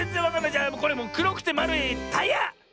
じゃもうくろくてまるいタイヤ！